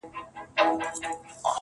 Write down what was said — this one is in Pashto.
دوی پخپله هم یو بل سره وژله،